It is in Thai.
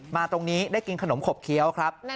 มาตรงนี้ได้กินขนมขบเคี้ยวครับ